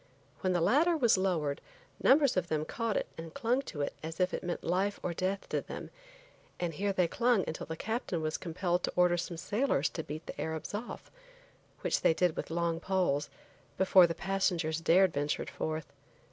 When the ladder was lowered, numbers of them caught it and clung to it as if it meant life or death to them, and here they clung until the captain was compelled to order some sailors to beat the Arabs off, which they did with long poles, before the passengers dared venture forth.